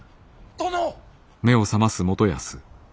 殿！